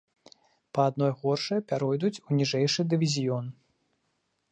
Па адной горшай пяройдуць ў ніжэйшы дывізіён.